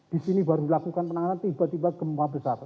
di sini baru dilakukan penanganan tiba tiba gempa besar